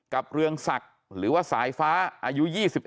เรืองศักดิ์หรือว่าสายฟ้าอายุ๒๓